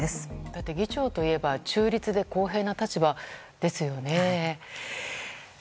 だって議長というと中立で公平な立場ですよね。